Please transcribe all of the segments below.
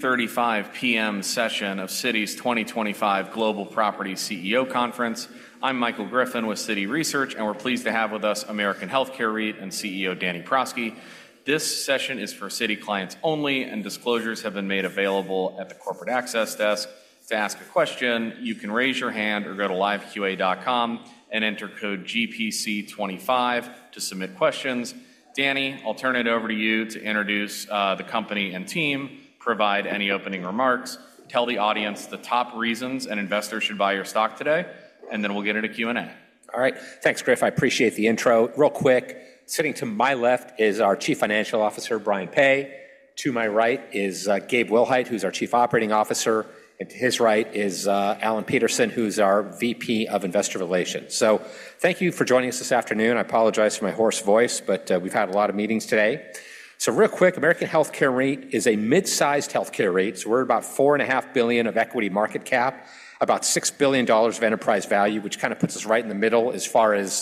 3:35 P.M. session of Citi's 2025 Global Property CEO Conference. I'm Michael Griffin with Citi Research, and we're pleased to have with us American Healthcare REIT and CEO Danny Prosky. This session is for Citi clients only, and disclosures have been made available at the Corporate Access Desk. To ask a question, you can raise your hand or go to liveqa.com and enter code GPC25 to submit questions. Danny, I'll turn it over to you to introduce the company and team, provide any opening remarks, tell the audience the top reasons an investor should buy your stock today, and then we'll get into Q and A. All right, thanks, Griff. I appreciate the intro. Real quick, sitting to my left is our Chief Financial Officer, Brian Peay. To my right is Gabe Willhite, who's our Chief Operating Officer, and to his right is Alan Peterson, who's our VP of Investor Relations. So thank you for joining us this afternoon. I apologize for my hoarse voice, but we've had a lot of meetings today. So real quick, American Healthcare REIT is a mid-sized healthcare REIT. So we're at about $4.5 billion of equity market cap, about $6 billion of enterprise value, which kind of puts us right in the middle as far as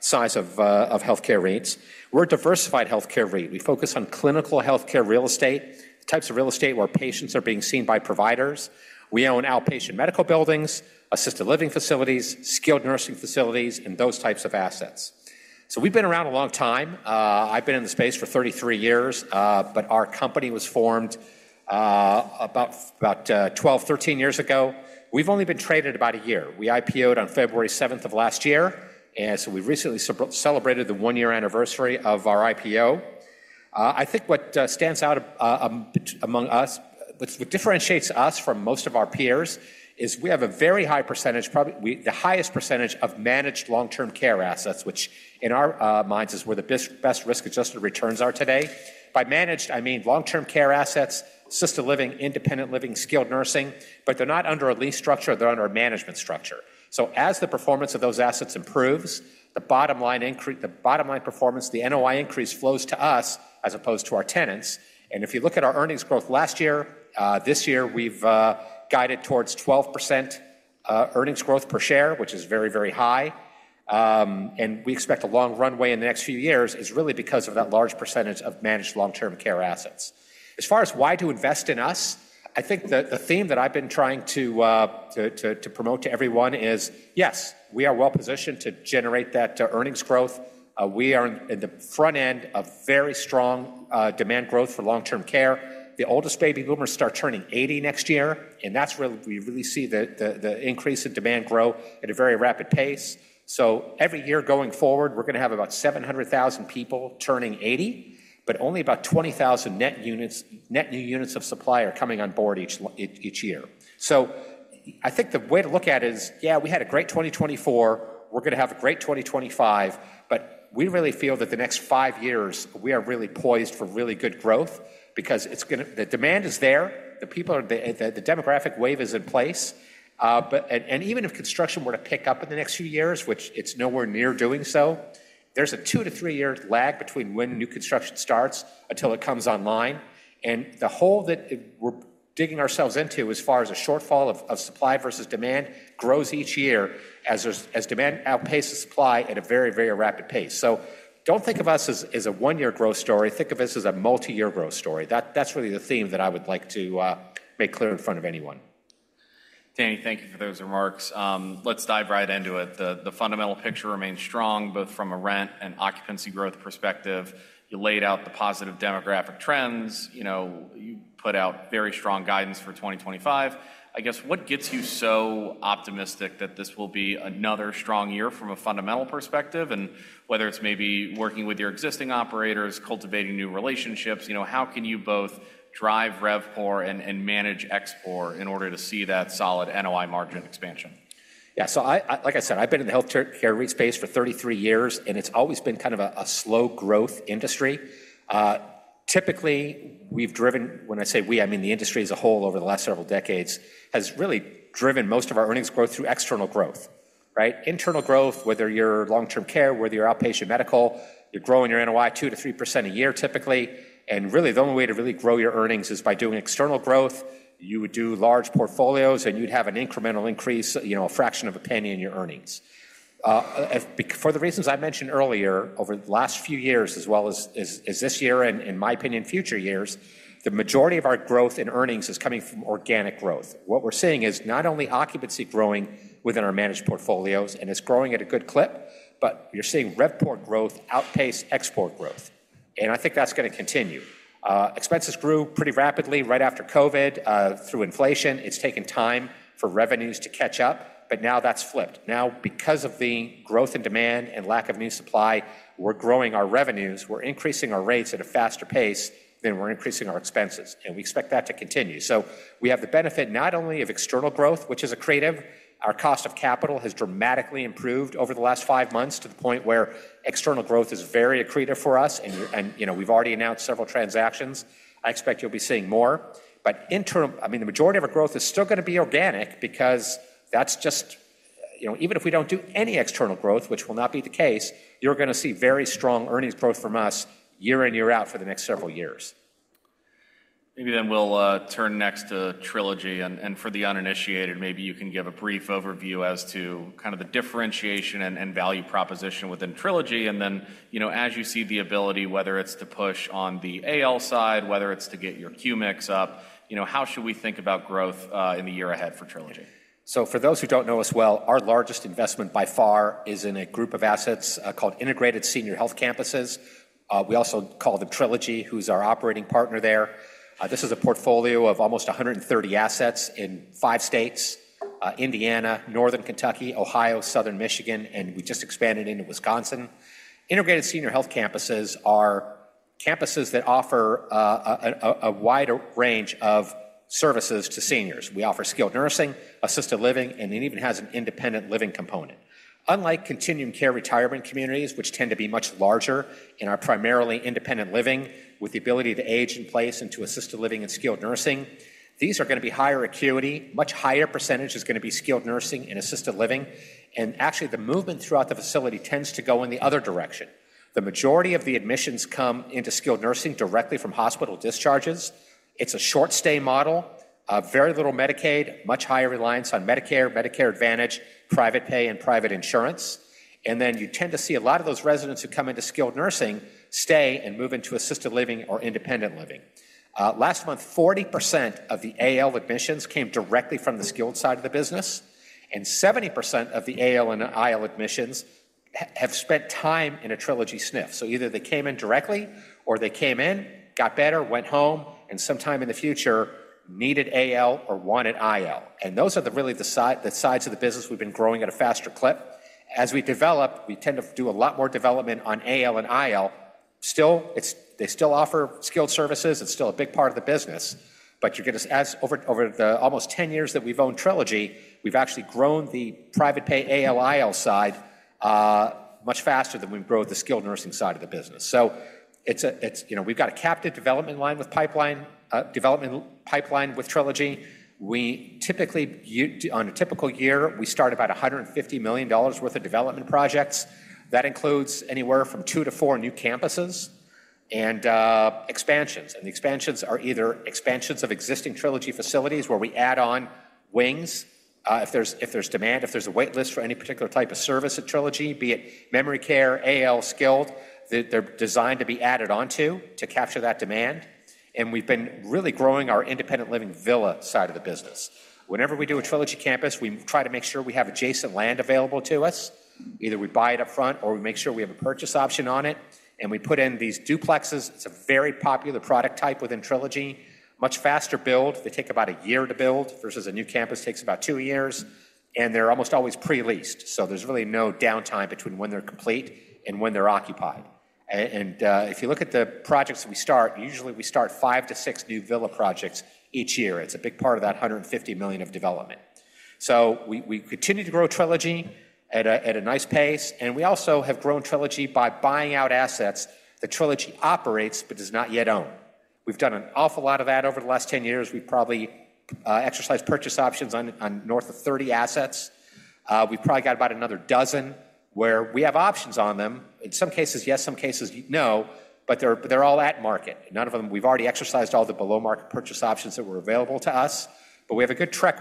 size of healthcare REITs. We're a diversified healthcare REIT. We focus on clinical healthcare real estate, types of real estate where patients are being seen by providers. We own outpatient medical buildings, assisted living facilities, skilled nursing facilities, and those types of assets. We've been around a long time. I've been in the space for 33 years, but our company was formed about 12, 13 years ago. We've only been traded about a year. We IPO'd on February 7th of last year, and so we recently celebrated the one-year anniversary of our IPO. I think what stands out among us, what differentiates us from most of our peers is we have a very high percentage, probably the highest percentage of managed long-term care assets, which in our minds is where the best risk-adjusted returns are today. By managed, I mean long-term care assets, assisted living, independent living, skilled nursing, but they're not under a lease structure. They're under a management structure. So as the performance of those assets improves, the bottom line performance, the NOI increase flows to us as opposed to our tenants. If you look at our earnings growth last year, this year we've guided towards 12% earnings growth per share, which is very, very high. We expect a long runway in the next few years is really because of that large percentage of managed long-term care assets. As far as why to invest in us, I think the theme that I've been trying to promote to everyone is, yes, we are well positioned to generate that earnings growth. We are in the front end of very strong demand growth for long-term care. The oldest baby boomers start turning 80 next year, and that's where we really see the increase in demand grow at a very rapid pace. Every year going forward, we're going to have about 700,000 people turning 80, but only about 20,000 net units of supply are coming on board each year. So, I think the way to look at it is, yeah, we had a great 2024. We're going to have a great 2025, but we really feel that the next five years we are really poised for really good growth because the demand is there, the demographic wave is in place. And even if construction were to pick up in the next few years, which it's nowhere near doing so, there's a two to three-year lag between when new construction starts until it comes online. And the hole that we're digging ourselves into as far as a shortfall of supply versus demand grows each year as demand outpaces supply at a very, very rapid pace. So don't think of us as a one-year growth story. Think of us as a multi-year growth story. That's really the theme that I would like to make clear in front of anyone. Danny, thank you for those remarks. Let's dive right into it. The fundamental picture remains strong both from a rent and occupancy growth perspective. You laid out the positive demographic trends. You put out very strong guidance for 2025. I guess what gets you so optimistic that this will be another strong year from a fundamental perspective? And whether it's maybe working with your existing operators, cultivating new relationships, how can you both drive RevPOR and manage ExPOR in order to see that solid NOI margin expansion? Yeah, so like I said, I've been in the healthcare REIT space for 33 years, and it's always been kind of a slow growth industry. Typically, we've driven, when I say we, I mean the industry as a whole over the last several decades has really driven most of our earnings growth through external growth. Internal growth, whether you're long-term care, whether you're outpatient medical, you're growing your NOI 2%-3% a year typically, and really the only way to really grow your earnings is by doing external growth. You would do large portfolios and you'd have an incremental increase, a fraction of a penny in your earnings. For the reasons I mentioned earlier, over the last few years as well as this year and in my opinion, future years, the majority of our growth in earnings is coming from organic growth. What we're seeing is not only occupancy growing within our managed portfolios and it's growing at a good clip, but you're seeing RevPOR growth outpace ExPOR growth. And I think that's going to continue. Expenses grew pretty rapidly right after COVID through inflation. It's taken time for revenues to catch up, but now that's flipped. Now, because of the growth in demand and lack of new supply, we're growing our revenues. We're increasing our rates at a faster pace than we're increasing our expenses. And we expect that to continue. So we have the benefit not only of external growth, which is accretive. Our cost of capital has dramatically improved over the last five months to the point where external growth is very accretive for us. And we've already announced several transactions. I expect you'll be seeing more. But I mean the majority of our growth is still going to be organic because that's just, even if we don't do any external growth, which will not be the case, you're going to see very strong earnings growth from us year in, year out for the next several years. Maybe then we'll turn next to Trilogy. And for the uninitiated, maybe you can give a brief overview as to kind of the differentiation and value proposition within Trilogy. And then as you see the ability, whether it's to push on the AL side, whether it's to get your Q-Mix up, how should we think about growth in the year ahead for Trilogy? So for those who don't know us well, our largest investment by far is in a group of assets called Integrated Senior Health Campuses. We also call them Trilogy, who's our operating partner there. This is a portfolio of almost 130 assets in five states: Indiana, Northern Kentucky, Ohio, Southern Michigan, and we just expanded into Wisconsin. Integrated Senior Health Campuses are campuses that offer a wider range of services to seniors. We offer skilled nursing, assisted living, and it even has an independent living component. Unlike continuing care retirement communities, which tend to be much larger and are primarily independent living with the ability to age in place and to assisted living and skilled nursing, these are going to be higher acuity. Much higher percentage is going to be skilled nursing and assisted living. And actually, the movement throughout the facility tends to go in the other direction. The majority of the admissions come into skilled nursing directly from hospital discharges. It's a short-stay model, very little Medicaid, much higher reliance on Medicare, Medicare Advantage, private pay, and private insurance, and then you tend to see a lot of those residents who come into skilled nursing stay and move into assisted living or independent living. Last month, 40% of the AL admissions came directly from the skilled side of the business, and 70% of the AL and IL admissions have spent time in a Trilogy SNF. So either they came in directly or they came in, got better, went home, and sometime in the future needed AL or wanted IL, and those are really the sides of the business we've been growing at a faster clip. As we develop, we tend to do a lot more development on AL and IL. Still, they still offer skilled services. It's still a big part of the business. But over the almost 10 years that we've owned Trilogy, we've actually grown the private pay, AL, IL side much faster than we've grown the skilled nursing side of the business. So we've got a captive development line with pipeline development with Trilogy. On a typical year, we start about $150 million worth of development projects. That includes anywhere from two to four new campuses and expansions. And the expansions are either expansions of existing Trilogy facilities where we add on wings if there's demand, if there's a waitlist for any particular type of service at Trilogy, be it memory care, AL, skilled, that they're designed to be added onto to capture that demand. And we've been really growing our independent living villa side of the business. Whenever we do a Trilogy campus, we try to make sure we have adjacent land available to us. Either we buy it upfront or we make sure we have a purchase option on it. And we put in these duplexes. It's a very popular product type within Trilogy. Much faster build. They take about a year to build versus a new campus takes about two years. And they're almost always pre-leased. So there's really no downtime between when they're complete and when they're occupied. And if you look at the projects we start, usually we start five to six new Villas projects each year. It's a big part of that $150 million of development. So we continue to grow Trilogy at a nice pace. And we also have grown Trilogy by buying out assets that Trilogy operates but does not yet own. We've done an awful lot of that over the last 10 years. We've probably exercised purchase options on north of 30 assets. We've probably got about another dozen where we have options on them. In some cases, yes, some cases, no, but they're all at market. None of them, we've already exercised all the below-market purchase options that were available to us. But we have a good track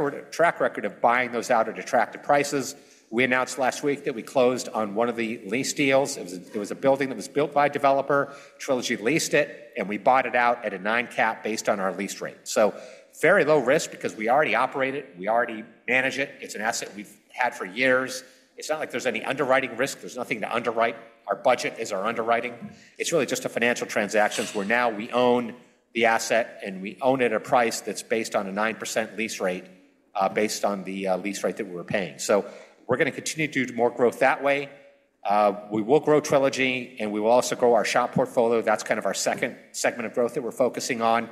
record of buying those out at attractive prices. We announced last week that we closed on one of the lease deals. It was a building that was built by a developer. Trilogy leased it, and we bought it out at a nine cap based on our lease rate. So very low risk because we already operate it. We already manage it. It's an asset we've had for years. It's not like there's any underwriting risk. There's nothing to underwrite. Our budget is our underwriting. It's really just a financial transaction where now we own the asset and we own it at a price that's based on a 9% lease rate based on the lease rate that we were paying, so we're going to continue to do more growth that way. We will grow Trilogy, and we will also grow our SHOP portfolio. That's kind of our second segment of growth that we're focusing on.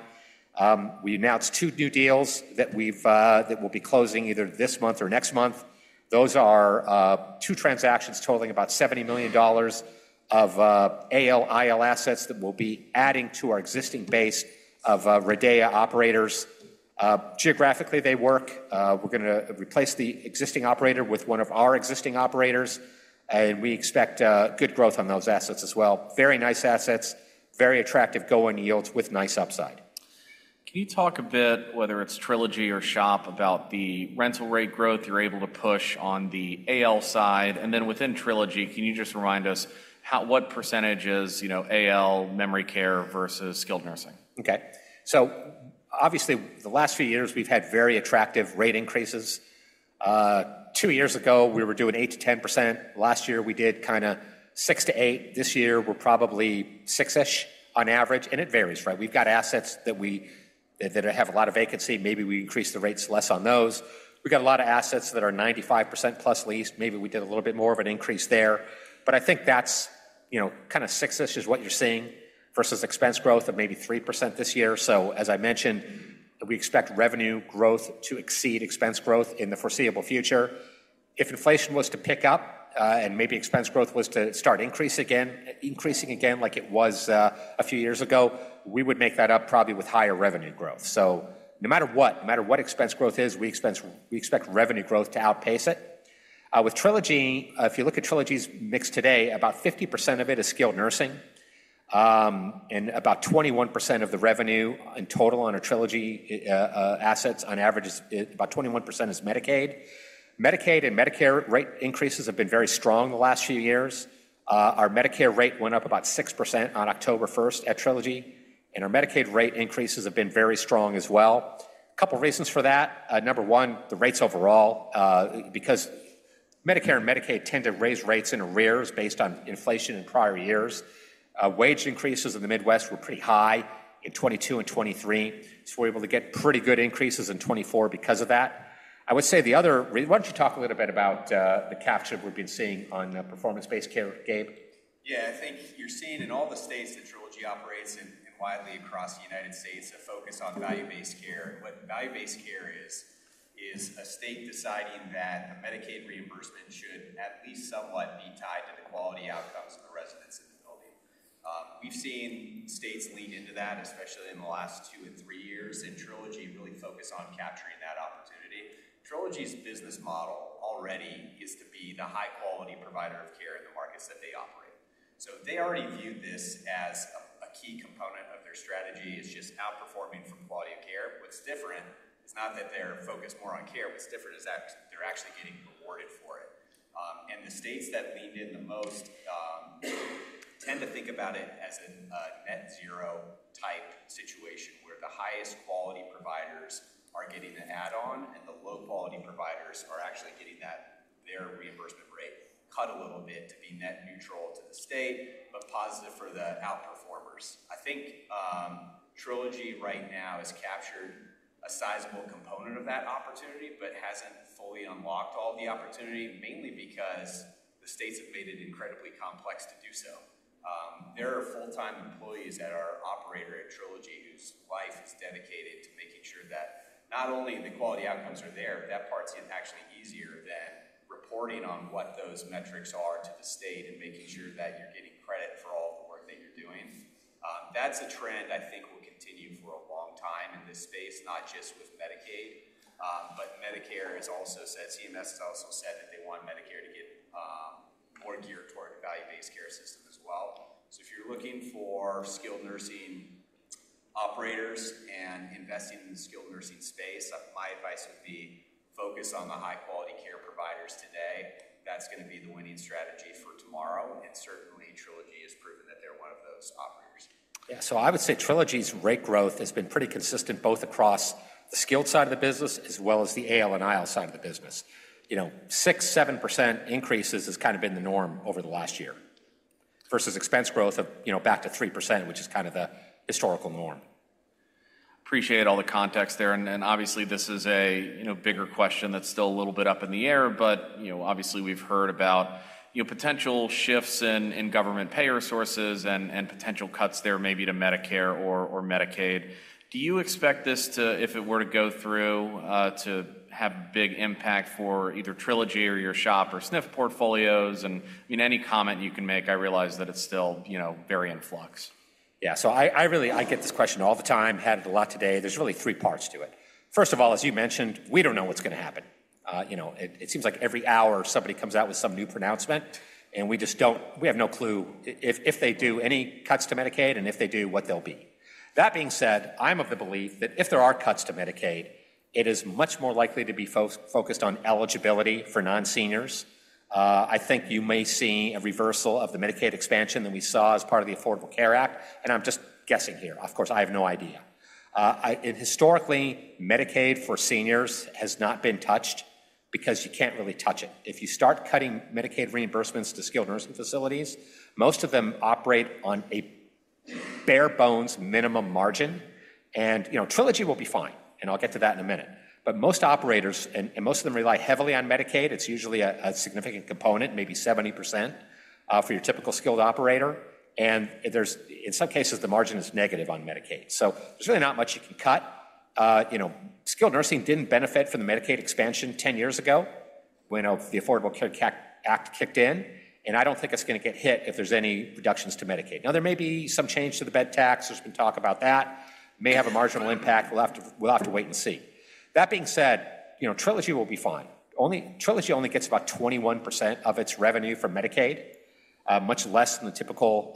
We announced two new deals that we'll be closing either this month or next month. Those are two transactions totaling about $70 million of AL, IL assets that we'll be adding to our existing base of RIDEA operators. Geographically, they work. We're going to replace the existing operator with one of our existing operators, and we expect good growth on those assets as well. Very nice assets, very attractive going yields with nice upside. Can you talk a bit, whether it's Trilogy or SHOP, about the rental rate growth you're able to push on the AL side? And then within Trilogy, can you just remind us what percentage is AL, memory care versus skilled nursing? Okay, so obviously, the last few years we've had very attractive rate increases. Two years ago, we were doing 8%-10%. Last year, we did kind of 6%-8%. This year, we're probably 6%-ish on average and it varies. We've got assets that have a lot of vacancy. Maybe we increase the rates less on those. We've got a lot of assets that are 95%+ lease. Maybe we did a little bit more of an increase there, but I think that's kind of 6%-ish, is what you're seeing versus expense growth of maybe 3% this year, so as I mentioned, we expect revenue growth to exceed expense growth in the foreseeable future. If inflation was to pick up and maybe expense growth was to start increasing again like it was a few years ago, we would make that up probably with higher revenue growth. So no matter what, no matter what expense growth is, we expect revenue growth to outpace it. With Trilogy, if you look at Trilogy's mix today, about 50% of it is skilled nursing and about 21% of the revenue in total on our Trilogy assets on average is about 21% is Medicaid. Medicaid and Medicare rate increases have been very strong the last few years. Our Medicare rate went up about 6% on October 1st at Trilogy. And our Medicaid rate increases have been very strong as well. A couple of reasons for that. Number one, the rates overall, because Medicare and Medicaid tend to raise rates in arrears based on inflation in prior years. Wage increases in the Midwest were pretty high in 2022 and 2023. So we're able to get pretty good increases in 2024 because of that. I would say the other reason. Why don't you talk a little bit about the capture we've been seeing on performance-based care, Gabe? Yeah, I think you're seeing in all the states that Trilogy operates and widely across the United States a focus on value-based care. What value-based care is, is a state deciding that the Medicaid reimbursement should at least somewhat be tied to the quality outcomes of the residents in the building. We've seen states lean into that, especially in the last two and three years, and Trilogy really focused on capturing that opportunity. Trilogy's business model already is to be the high-quality provider of care in the markets that they operate. So they already view this as a key component of their strategy. It's just outperforming from quality of care. What's different is not that they're focused more on care. What's different is that they're actually getting rewarded for it. The states that leaned in the most tend to think about it as a net-zero type situation where the highest quality providers are getting the add-on and the low-quality providers are actually getting that. Their reimbursement rate cut a little bit to be net neutral to the state, but positive for the outperformers. I think Trilogy right now has captured a sizable component of that opportunity, but hasn't fully unlocked all the opportunity, mainly because the states have made it incredibly complex to do so. There are full-time employees that are operators at Trilogy whose life is dedicated to making sure that not only the quality outcomes are there, that part's actually easier than reporting on what those metrics are to the state and making sure that you're getting credit for all the work that you're doing. That's a trend I think will continue for a long time in this space, not just with Medicaid, but Medicare has also said. CMS has also said that they want Medicare to get more geared toward a value-based care system as well. So if you're looking for skilled nursing operators and investing in the skilled nursing space, my advice would be focus on the high-quality care providers today. That's going to be the winning strategy for tomorrow. And certainly, Trilogy has proven that they're one of those operators. I would say Trilogy's rate growth has been pretty consistent both across the skilled side of the business as well as the AL and IL side of the business. 6%-7% increases has kind of been the norm over the last year versus expense growth of back to 3%, which is kind of the historical norm. Appreciate all the context there. And obviously, this is a bigger question that's still a little bit up in the air, but obviously, we've heard about potential shifts in government payer sources and potential cuts there maybe to Medicare or Medicaid. Do you expect this to, if it were to go through, to have a big impact for either Trilogy or your SHOP or SNF portfolios? And I mean, any comment you can make, I realize that it's still very in flux. Yeah, so I get this question all the time, had it a lot today. There's really three parts to it. First of all, as you mentioned, we don't know what's going to happen. It seems like every hour somebody comes out with some new pronouncement, and we just don't, we have no clue if they do any cuts to Medicaid and if they do, what they'll be. That being said, I'm of the belief that if there are cuts to Medicaid, it is much more likely to be focused on eligibility for non-seniors. I think you may see a reversal of the Medicaid expansion that we saw as part of the Affordable Care Act, and I'm just guessing here. Of course, I have no idea. Historically, Medicaid for seniors has not been touched because you can't really touch it. If you start cutting Medicaid reimbursements to skilled nursing facilities, most of them operate on a bare bones minimum margin, and Trilogy will be fine, and I'll get to that in a minute. But most operators, and most of them rely heavily on Medicaid, it's usually a significant component, maybe 70% for your typical skilled operator, and in some cases, the margin is negative on Medicaid, so there's really not much you can cut. Skilled nursing didn't benefit from the Medicaid expansion 10 years ago when the Affordable Care Act kicked in, and I don't think it's going to get hit if there's any reductions to Medicaid. Now, there may be some change to the bed tax. There's been talk about that. May have a marginal impact. We'll have to wait and see. That being said, Trilogy will be fine. Trilogy only gets about 21% of its revenue from Medicaid, much less than the typical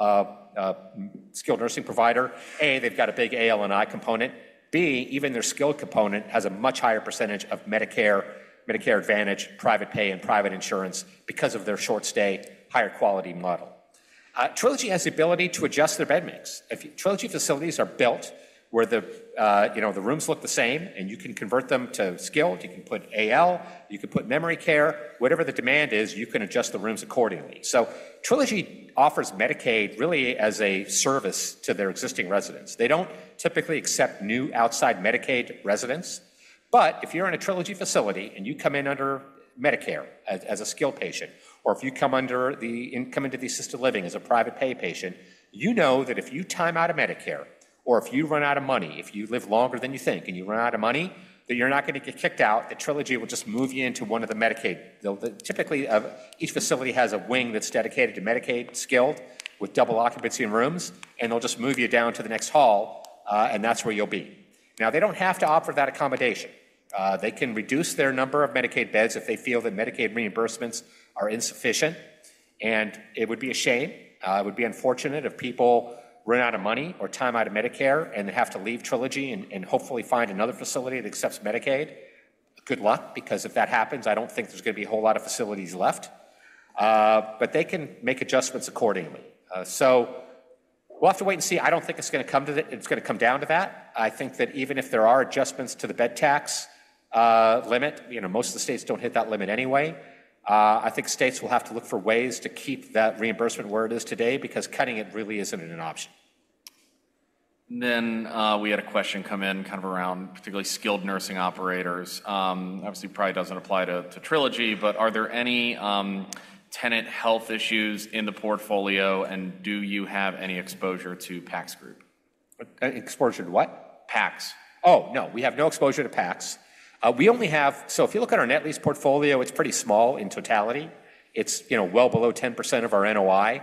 skilled nursing provider. A, they've got a big AL and IL component. B, even their skilled component has a much higher percentage of Medicare, Medicare Advantage, private pay, and private insurance because of their short-stay, higher quality model. Trilogy has the ability to adjust their bed mix. Trilogy facilities are built where the rooms look the same, and you can convert them to skilled. You can put AL, you can put memory care. Whatever the demand is, you can adjust the rooms accordingly. So Trilogy offers Medicaid really as a service to their existing residents. They don't typically accept new outside Medicaid residents. But if you're in a Trilogy facility and you come in under Medicare as a skilled patient, or if you come into the assisted living as a private pay patient, you know that if you time out of Medicare or if you run out of money, if you live longer than you think and you run out of money, that you're not going to get kicked out, that Trilogy will just move you into one of the Medicaid. Typically, each facility has a wing that's dedicated to Medicaid skilled with double occupancy rooms, and they'll just move you down to the next hall, and that's where you'll be. Now, they don't have to offer that accommodation. They can reduce their number of Medicaid beds if they feel that Medicaid reimbursements are insufficient. And it would be a shame. It would be unfortunate if people run out of money or time out of Medicare and have to leave Trilogy and hopefully find another facility that accepts Medicaid. Good luck, because if that happens, I don't think there's going to be a whole lot of facilities left. But they can make adjustments accordingly. So we'll have to wait and see. I don't think it's going to come down to that. I think that even if there are adjustments to the bed tax limit, most of the states don't hit that limit anyway. I think states will have to look for ways to keep that reimbursement where it is today because cutting it really isn't an option. And then we had a question come in kind of around particularly skilled nursing operators. Obviously, probably doesn't apply to Trilogy, but are there any tenant health issues in the portfolio, and do you have any exposure to PACS Group? Exposure to what? PACS. Oh, no, we have no exposure to PACS. We only have, so if you look at our net lease portfolio, it's pretty small in totality. It's well below 10% of our NOI.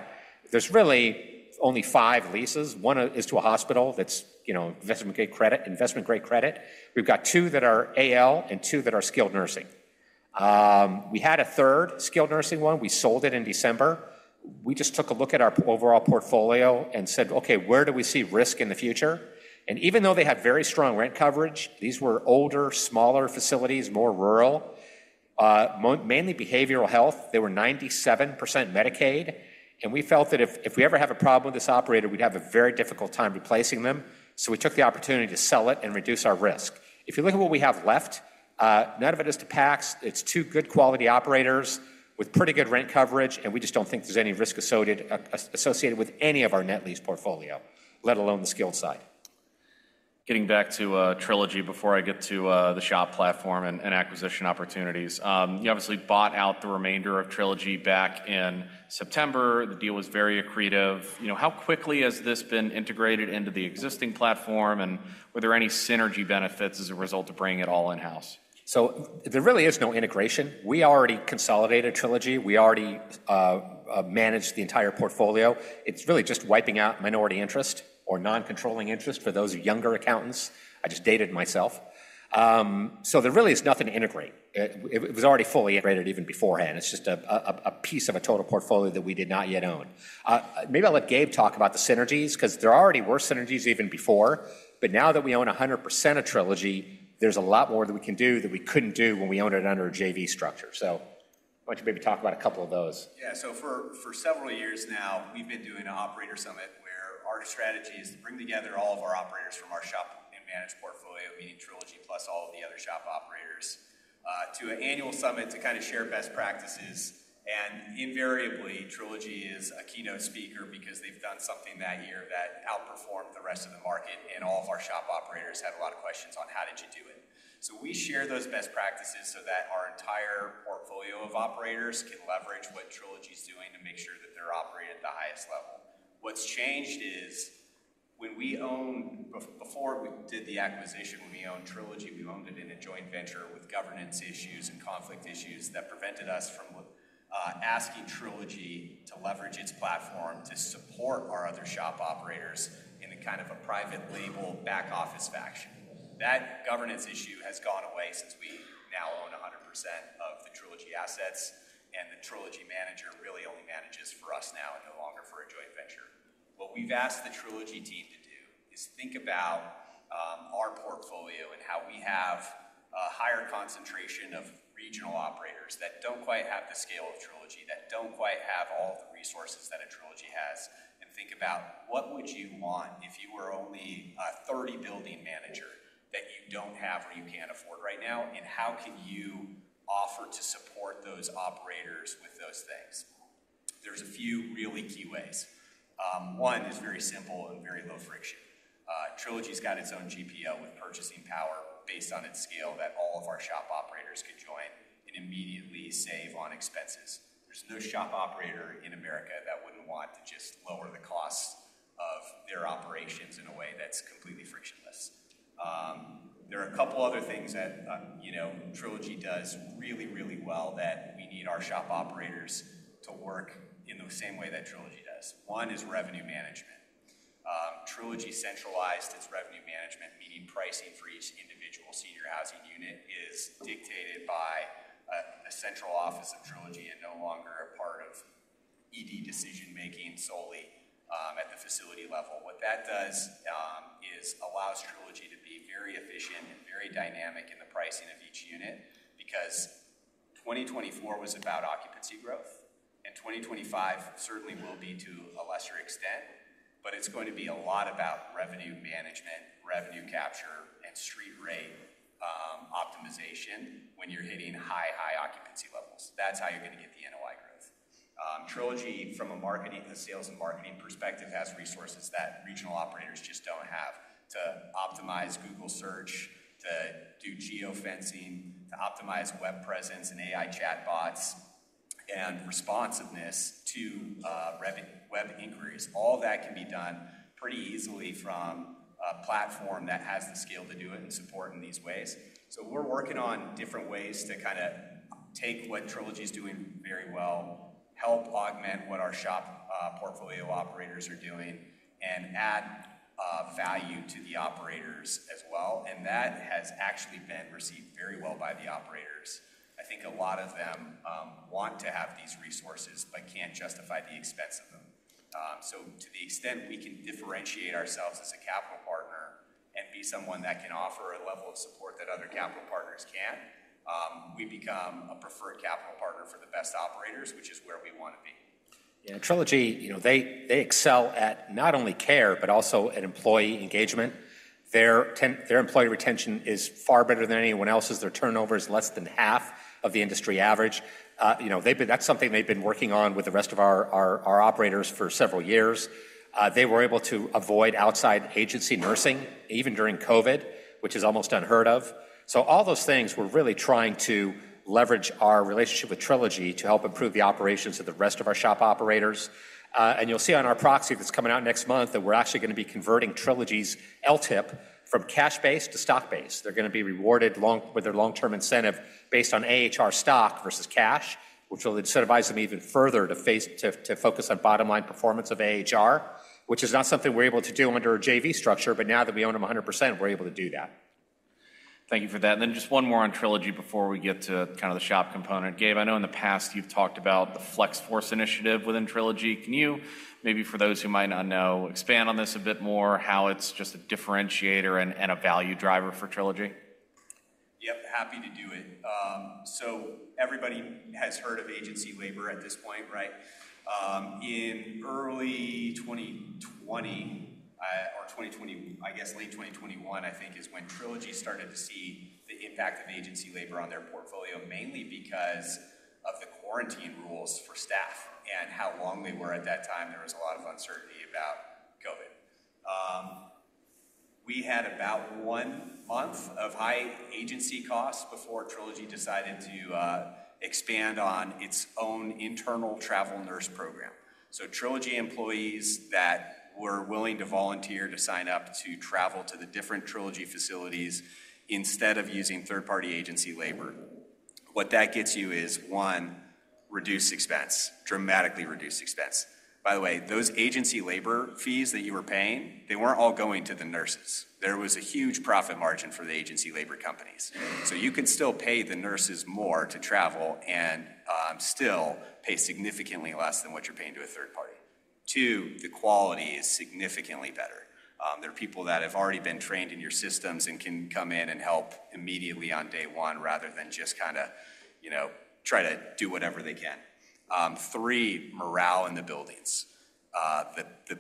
There's really only five leases. One is to a hospital that's investment-grade credit. We've got two that are AL and two that are skilled nursing. We had a third skilled nursing one. We sold it in December. We just took a look at our overall portfolio and said, "Okay, where do we see risk in the future?" And even though they had very strong rent coverage, these were older, smaller facilities, more rural, mainly behavioral health. They were 97% Medicaid. And we felt that if we ever have a problem with this operator, we'd have a very difficult time replacing them. So we took the opportunity to sell it and reduce our risk. If you look at what we have left, none of it is to PACS. It's two good quality operators with pretty good rent coverage, and we just don't think there's any risk associated with any of our net lease portfolio, let alone the skilled side. Getting back to Trilogy before I get to the SHOP platform and acquisition opportunities. You obviously bought out the remainder of Trilogy back in September. The deal was very accretive. How quickly has this been integrated into the existing platform, and were there any synergy benefits as a result of bringing it all in-house? So there really is no integration. We already consolidated Trilogy. We already managed the entire portfolio. It's really just wiping out minority interest or non-controlling interest for those younger accountants. I just dated myself. So there really is nothing to integrate. It was already fully integrated even beforehand. It's just a piece of a total portfolio that we did not yet own. Maybe I'll let Gabe talk about the synergies because there already were synergies even before. But now that we own 100% of Trilogy, there's a lot more that we can do that we couldn't do when we owned it under a JV structure. So why don't you maybe talk about a couple of those? Yeah. So for several years now, we've been doing an operator summit where our strategy is to bring together all of our operators from our SHOP and managed portfolio, meaning Trilogy plus all of the other SHOP operators, to an annual summit to kind of share best practices. And invariably, Trilogy is a keynote speaker because they've done something that year that outperformed the rest of the market, and all of our SHOP operators had a lot of questions on how did you do it. So we share those best practices so that our entire portfolio of operators can leverage what Trilogy is doing to make sure that they're operating at the highest level. What's changed is when we owned before we did the acquisition, when we owned Trilogy, we owned it in a joint venture with governance issues and conflict issues that prevented us from asking Trilogy to leverage its platform to support our other SHOP operators in a kind of a private label back office fashion. That governance issue has gone away since we now own 100% of the Trilogy assets, and the Trilogy manager really only manages for us now and no longer for a joint venture. What we've asked the Trilogy team to do is think about our portfolio and how we have a higher concentration of regional operators that don't quite have the scale of Trilogy, that don't quite have all the resources that a Trilogy has, and think about what would you want if you were only a 30-building manager that you don't have or you can't afford right now, and how can you offer to support those operators with those things? There's a few really key ways. One is very simple and very low friction. Trilogy's got its own GPO with purchasing power based on its scale that all of our SHOP operators could join and immediately save on expenses. There's no SHOP operator in America that wouldn't want to just lower the costs of their operations in a way that's completely frictionless. There are a couple of other things that Trilogy does really, really well that we need our SHOP operators to work in the same way that Trilogy does. One is revenue management. Trilogy centralized its revenue management, meaning pricing for each individual senior housing unit is dictated by a central office of Trilogy and no longer a part of ED decision-making solely at the facility level. What that does is allows Trilogy to be very efficient and very dynamic in the pricing of each unit because 2024 was about occupancy growth, and 2025 certainly will be to a lesser extent, but it's going to be a lot about revenue management, revenue capture, and street rate optimization when you're hitting high, high occupancy levels. That's how you're going to get the NOI growth. Trilogy, from a sales and marketing perspective, has resources that regional operators just don't have to optimize Google search, to do geofencing, to optimize web presence and AI chatbots, and responsiveness to web inquiries. All of that can be done pretty easily from a platform that has the skill to do it and support in these ways. We're working on different ways to kind of take what Trilogy's doing very well, help augment what our SHOP portfolio operators are doing, and add value to the operators as well. That has actually been received very well by the operators. I think a lot of them want to have these resources but can't justify the expense of them. To the extent we can differentiate ourselves as a capital partner and be someone that can offer a level of support that other capital partners can't, we become a preferred capital partner for the best operators, which is where we want to be. Yeah. Trilogy, they excel at not only care but also at employee engagement. Their employee retention is far better than anyone else's. Their turnover is less than half of the industry average. That's something they've been working on with the rest of our operators for several years. They were able to avoid outside agency nursing even during COVID, which is almost unheard of. So all those things, we're really trying to leverage our relationship with Trilogy to help improve the operations of the rest of our SHOP operators. And you'll see on our proxy that's coming out next month that we're actually going to be converting Trilogy's LTIP from cash-based to stock-based. They're going to be rewarded with their long-term incentive based on AHR stock versus cash, which will incentivize them even further to focus on bottom-line performance of AHR, which is not something we're able to do under a JV structure, but now that we own them 100%, we're able to do that. Thank you for that. And then just one more on Trilogy before we get to kind of the SHOP component. Gabe, I know in the past you've talked about the FlexForce initiative within Trilogy. Can you, maybe for those who might not know, expand on this a bit more, how it's just a differentiator and a value driver for Trilogy? Yep. Happy to do it. So everybody has heard of agency labor at this point, right? In early 2020, or I guess late 2021, I think is when Trilogy started to see the impact of agency labor on their portfolio, mainly because of the quarantine rules for staff and how long they were at that time. There was a lot of uncertainty about COVID. We had about one month of high agency costs before Trilogy decided to expand on its own internal travel nurse program. So Trilogy employees that were willing to volunteer to sign up to travel to the different Trilogy facilities instead of using third-party agency labor. What that gets you is, one, reduced expense, dramatically reduced expense. By the way, those agency labor fees that you were paying, they weren't all going to the nurses. There was a huge profit margin for the agency labor companies. So you could still pay the nurses more to travel and still pay significantly less than what you're paying to a third party. Two, the quality is significantly better. There are people that have already been trained in your systems and can come in and help immediately on day one rather than just kind of try to do whatever they can. Three, morale in the buildings. The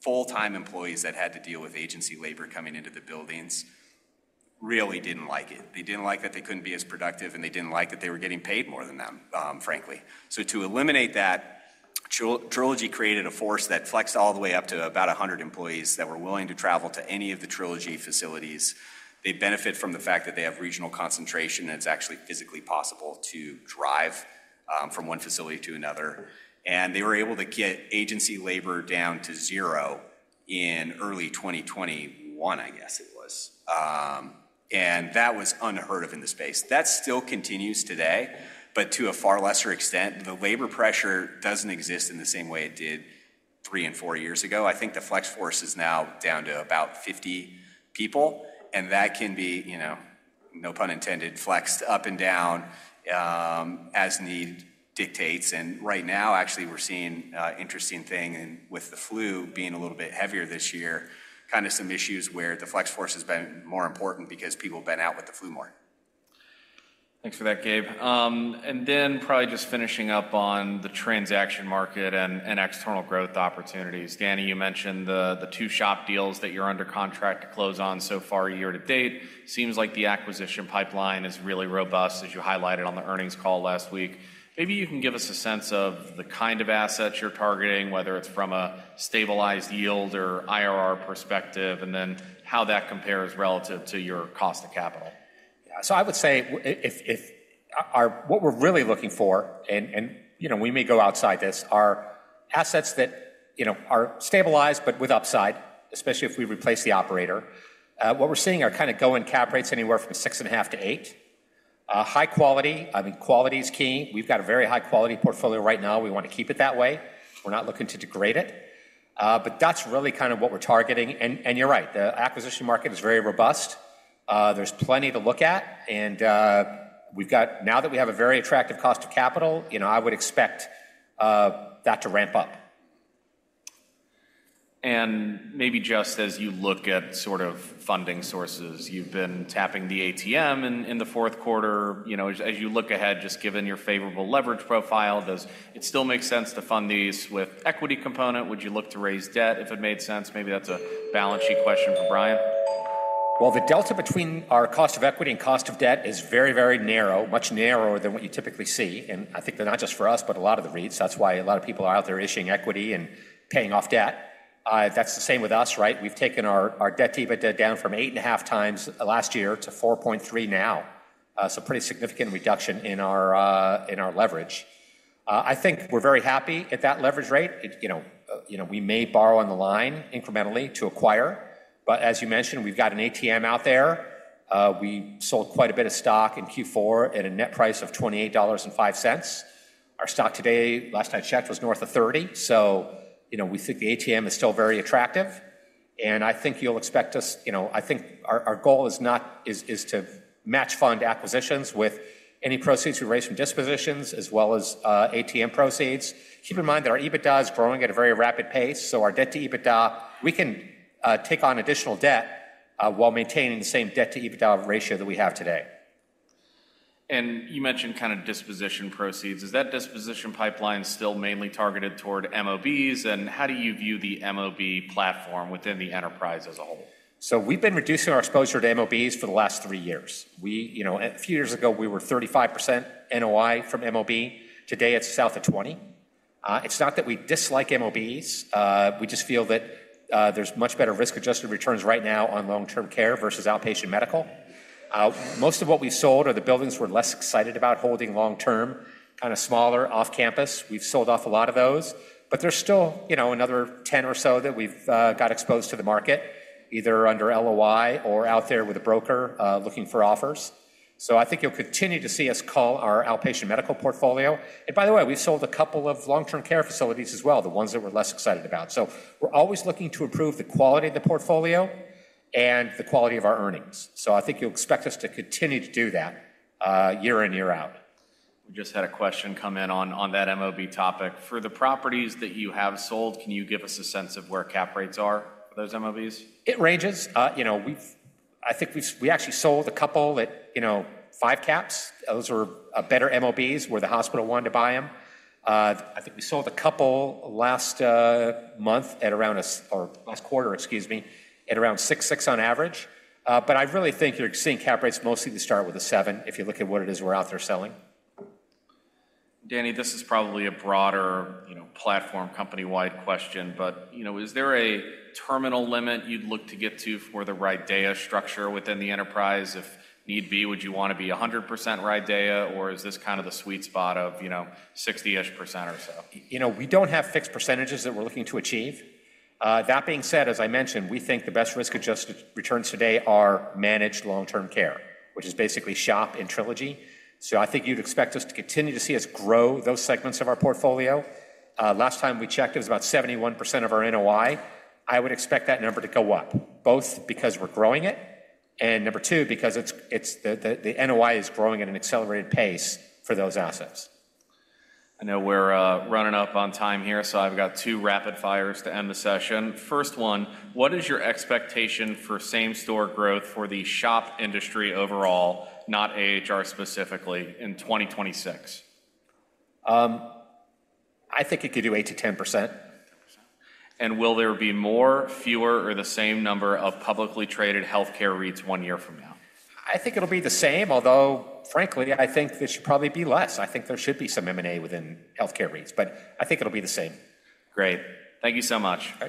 full-time employees that had to deal with agency labor coming into the buildings really didn't like it. They didn't like that they couldn't be as productive, and they didn't like that they were getting paid more than them, frankly. So to eliminate that, Trilogy created FlexForce all the way up to about 100 employees that were willing to travel to any of the Trilogy facilities. They benefit from the fact that they have regional concentration, and it's actually physically possible to drive from one facility to another. They were able to get agency labor down to zero in early 2021, I guess it was. That was unheard of in the space. That still continues today, but to a far lesser extent. The labor pressure doesn't exist in the same way it did three and four years ago. I think the FlexForce is now down to about 50 people, and that can be, no pun intended, flexed up and down as need dictates. Right now, actually, we're seeing an interesting thing with the flu being a little bit heavier this year, kind of some issues where the FlexForce has been more important because people have been out with the flu more. Thanks for that, Gabe. And then probably just finishing up on the transaction market and external growth opportunities. Danny, you mentioned the two SHOP deals that you're under contract to close on so far year to date. Seems like the acquisition pipeline is really robust, as you highlighted on the earnings call last week. Maybe you can give us a sense of the kind of assets you're targeting, whether it's from a stabilized yield or IRR perspective, and then how that compares relative to your cost of capital. Yeah, so I would say what we're really looking for, and we may go outside this, are assets that are stabilized but with upside, especially if we replace the operator. What we're seeing are kind of going cap rates anywhere from 6.5% to 8%. High quality, I mean, quality is key. We've got a very high-quality portfolio right now. We want to keep it that way. We're not looking to degrade it. But that's really kind of what we're targeting. And you're right, the acquisition market is very robust. There's plenty to look at. And now that we have a very attractive cost of capital, I would expect that to ramp up. Maybe just as you look at sort of funding sources, you've been tapping the ATM in the fourth quarter. As you look ahead, just given your favorable leverage profile, does it still make sense to fund these with equity component? Would you look to raise debt if it made sense? Maybe that's a balance sheet question for Brian. The delta between our cost of equity and cost of debt is very, very narrow, much narrower than what you typically see. I think not just for us, but a lot of the REITs. That's why a lot of people are out there issuing equity and paying off debt. That's the same with us, right? We've taken our debt-to-EBITDA down from 8.5x last year to 4.3x now. Pretty significant reduction in our leverage. I think we're very happy at that leverage rate. We may borrow on the line incrementally to acquire. But as you mentioned, we've got an ATM out there. We sold quite a bit of stock in Q4 at a net price of $28.05. Our stock today, last I checked, was north of $30. We think the ATM is still very attractive. I think you'll expect us. I think our goal is to match fund acquisitions with any proceeds we raise from dispositions as well as ATM proceeds. Keep in mind that our EBITDA is growing at a very rapid pace. Our debt-to-EBITDA, we can take on additional debt while maintaining the same debt-to-EBITDA ratio that we have today. And you mentioned kind of disposition proceeds. Is that disposition pipeline still mainly targeted toward MOBs? And how do you view the MOB platform within the enterprise as a whole? So we've been reducing our exposure to MOBs for the last three years. A few years ago, we were 35% NOI from MOB. Today, it's south of 20%. It's not that we dislike MOBs. We just feel that there's much better risk-adjusted returns right now on long-term care versus outpatient medical. Most of what we sold are the buildings we're less excited about holding long-term, kind of smaller, off-campus. We've sold off a lot of those. But there's still another 10 or so that we've got exposed to the market, either under LOI or out there with a broker looking for offers. So I think you'll continue to see us cull our outpatient medical portfolio. And by the way, we've sold a couple of long-term care facilities as well, the ones that we're less excited about. So we're always looking to improve the quality of the portfolio and the quality of our earnings. So I think you'll expect us to continue to do that year in, year out. We just had a question come in on that MOB topic. For the properties that you have sold, can you give us a sense of where cap rates are for those MOBs? It ranges. I think we actually sold a couple at 5% caps. Those were better MOBs where the hospital wanted to buy them. I think we sold a couple last month at around, or last quarter, excuse me, at around 6.6% on average. But I really think you're seeing cap rates mostly to start with a 7% if you look at what it is we're out there selling. Danny, this is probably a broader platform company-wide question, but is there a terminal limit you'd look to get to for the RIDEA structure within the enterprise? If need be, would you want to be 100% RIDEA, or is this kind of the sweet spot of 60%-ish or so? We don't have fixed percentages that we're looking to achieve. That being said, as I mentioned, we think the best risk-adjusted returns today are managed long-term care, which is basically SHOP and Trilogy. So I think you'd expect us to continue to see us grow those segments of our portfolio. Last time we checked, it was about 71% of our NOI. I would expect that number to go up, both because we're growing it and number two, because the NOI is growing at an accelerated pace for those assets. I know we're running up on time here, so I've got two rapid fires to end the session. First one, what is your expectation for same-store growth for the SHOP industry overall, not AHR specifically, in 2026? I think it could do 8%-10%. Will there be more, fewer, or the same number of publicly traded healthcare REITs one year from now? I think it'll be the same, although frankly, I think this should probably be less. I think there should be some M&A within healthcare REITs, but I think it'll be the same. Great. Thank you so much.